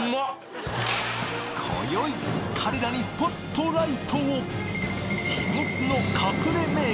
今宵彼らにスポットライトを！